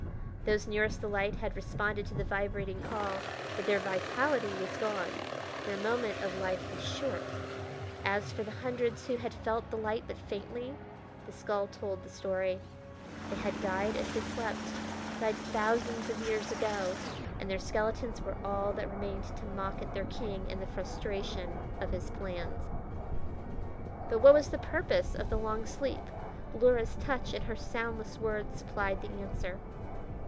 Those nearest the light had responded to the vibrating call, but their vitality was gone; their moment of life was short. As for the hundreds who had felt the light but faintly the skull told the story. They had died as they slept, died thousands of years ago, and their skeletons were all that remained to mock at their king and the frustration of his plans. But what was the purpose of the long sleep? Luhra's touch and her soundless words supplied the answer.